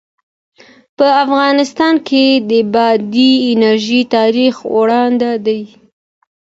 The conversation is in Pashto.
په افغانستان کې د بادي انرژي تاریخ اوږد دی.